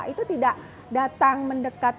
itu tidak datang mendekat